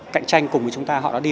cạnh tranh cùng với chúng ta họ đã đi